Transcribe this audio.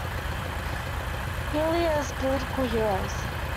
Healy as political heroes.